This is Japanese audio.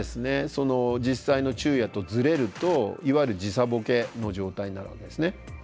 その実際の昼夜とずれるといわゆる時差ボケの状態になるわけですね。